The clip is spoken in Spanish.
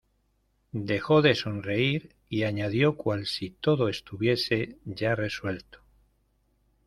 dejó de sonreír, y añadió cual si todo estuviese ya resuelto: